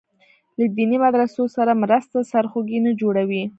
له دیني مدرسو سره مرسته سرخوږی نه جوړوي.